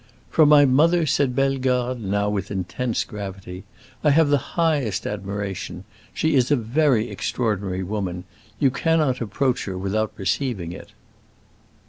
"For my mother," said Bellegarde, now with intense gravity, "I have the highest admiration. She is a very extraordinary woman. You cannot approach her without perceiving it."